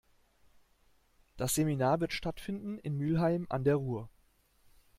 Das Seminar wird stattfinden in Mülheim an der Ruhr.